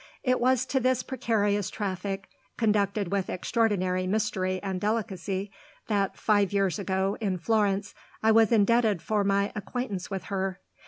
It was to this precarious traffic, conducted with extraordinary mystery and delicacy, that, five years ago, in Florence, I was indebted for my acquaintance with her.